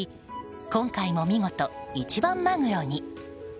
今回も見事、一番マグロに。